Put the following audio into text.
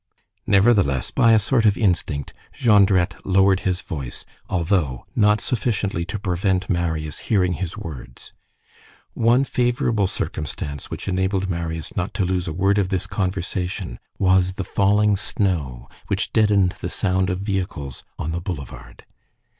Nevertheless, by a sort of instinct, Jondrette lowered his voice, although not sufficiently to prevent Marius hearing his words. One favorable circumstance, which enabled Marius not to lose a word of this conversation was the falling snow which deadened the sound of vehicles on the boulevard.